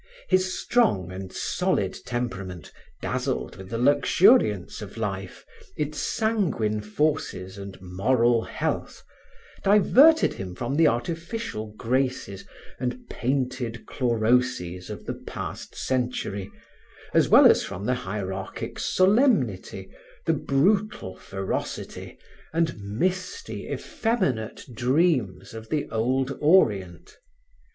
His strong and solid temperament, dazzled with the luxuriance of life, its sanguine forces and moral health, diverted him from the artificial graces and painted chloroses of the past century, as well as from the hierarchic solemnity, the brutal ferocity and misty, effeminate dreams of the old orient.